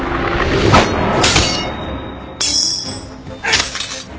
あっ！